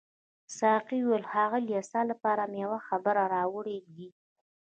ساقي وویل ښاغلیه ستا لپاره مې یو خبر راوړی دی.